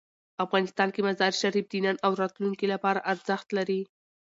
افغانستان کې مزارشریف د نن او راتلونکي لپاره ارزښت لري.